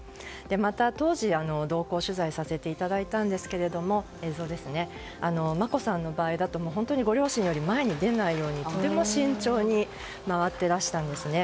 また当時、同行取材をさせていただいたんですが眞子さんの場合だとご両親より前に出ないようにとても慎重に回っていらしたんですね。